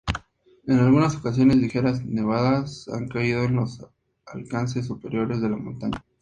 En algunas ocasiones ligeras nevadas han caído en los alcances superiores de la montaña.